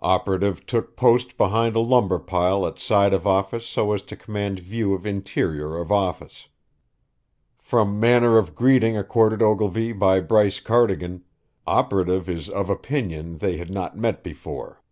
Operative took post behind a lumber pile at side of office so as to command view of interior of office. From manner of greeting accorded Ogilvy by Bryce Cardigan, operative is of opinion they had not met before.